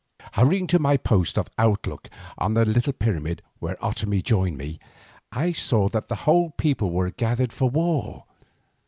Hurrying to my post of outlook on the little pyramid, where Otomie joined me, I saw that the whole people were gathered for war.